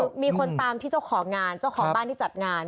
คือมีคนตามที่เจ้าของงานเจ้าของบ้านที่จัดงาน